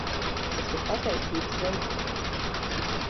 Tas ir pateicības veids taču.